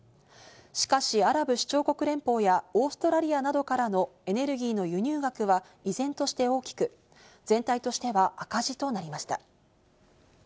しかし、アラブ首長国連邦やオーストラリアなどからのエネルギーの輸入額は依然として大きく、全体としては赤字となりました。